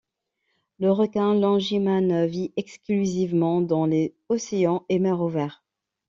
Le requin longimane vit exclusivement dans les océans et mers ouverts.